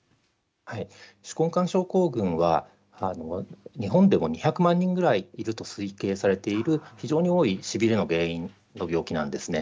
手根管症候群は日本でも２００万人ぐらいいると推計されている非常に多いしびれの原因の病気です。